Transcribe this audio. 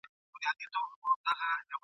تر مطلبه یاري !.